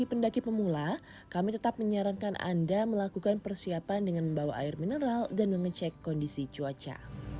bagi pendaki pemula kami tetap menyarankan anda melakukan persiapan dengan membawa air mineral dan mengecek kondisi cuaca